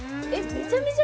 めちゃめちゃ